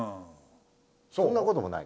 そんなこともない？